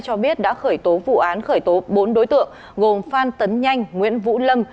cho biết đã khởi tố vụ án khởi tố bốn đối tượng gồm phan tấn nhanh nguyễn vũ lâm